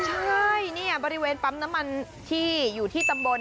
ใช่เนี่ยบริเวณปั๊มน้ำมันที่อยู่ที่ตำบล